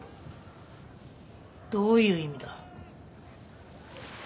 どういう意味だ？